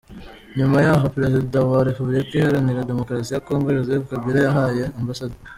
Nyuma y’aho Perezida wa Repubulika Iharanira Demokarasi ya Congo, Joseph Kabila, yahaye Amb.